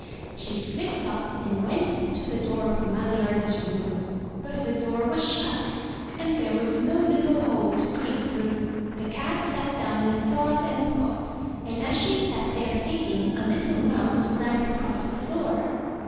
She slipped up and went to the door of Maliarda's room. But the door was shut, and there was no Uttle hole to 343 MY BOOK HOUSE ■^IjQ creep through. The cat sat down and thought •'^^ and thought; and as she sat there thinking, a Httle mouse ran across the floor.